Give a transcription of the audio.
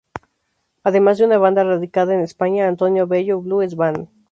Además de una banda radicada en España Antonio Bello Blues Band.